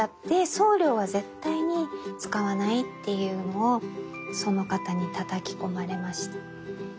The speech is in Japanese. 送料は絶対に使わないっていうのをその方にたたき込まれました。